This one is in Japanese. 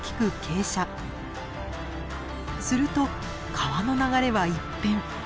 すると川の流れは一変。